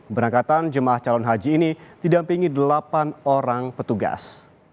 berangkatan jemaah calon haji ini didampingi delapan orang petugas